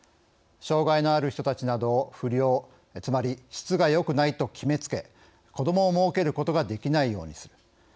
障害のある人たちなどを不良つまり質がよくないと決めつけ子どもをもうけることができないようにする。